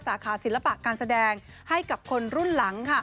สาขาศิลปะการแสดงให้กับคนรุ่นหลัง